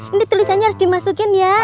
ini tulisannya harus dimasukin ya